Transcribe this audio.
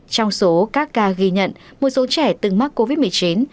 trong số các ca ghi nhận một số trẻ từng mắc covid một mươi chín